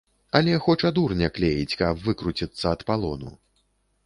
Але хоча дурня клеіць, каб выкруціцца ад палону.